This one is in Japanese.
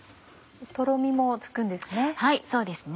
とろみもつくんですね？